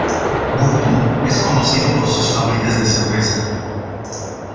Burton es conocido por sus fábricas de cerveza.